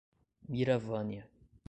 Miravânia